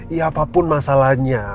ya apapun masalahnya